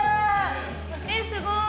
・えっすごい！